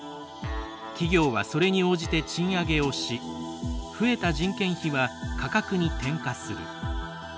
企業はそれに応じて賃上げをし増えた人件費は価格に転嫁する。